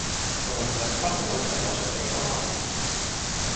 Vă mulțumesc foarte mult pentru această informație.